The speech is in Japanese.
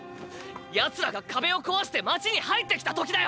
ヤツらが壁を壊して街に入ってきた時だよ！